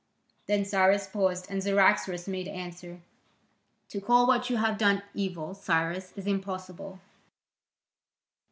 Then Cyrus paused, and Cyaxares made answer: "To call what you have done evil, Cyrus, is impossible.